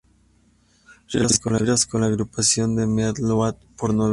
Realizó giras con la agrupación de Meat Loaf por nueve años.